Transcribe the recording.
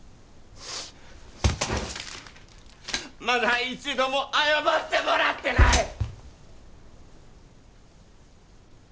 まだ一度も謝ってもらってない！